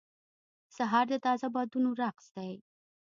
سهار د تازه بادونو رقص دی.